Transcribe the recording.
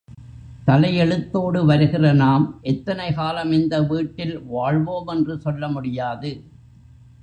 தலையெழுத்தோடு வருகிற நாம் எத்தனை காலம் இந்த வீட்டில் வாழ்வோம் என்று சொல்ல முடியாது.